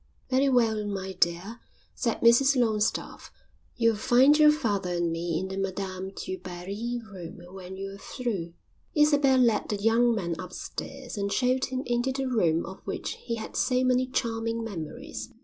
"Very well, my dear," said Mrs Longstaffe. "You'll find your father and me in the Madame du Barry room when you're through." Isabel led the young man upstairs and showed him into the room of which he had so many charming memories.